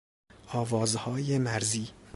آوازهای مرزی